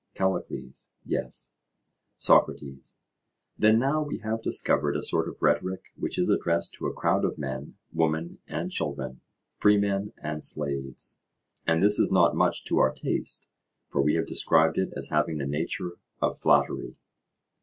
CALLICLES: Yes. SOCRATES: Then now we have discovered a sort of rhetoric which is addressed to a crowd of men, women, and children, freemen and slaves. And this is not much to our taste, for we have described it as having the nature of flattery.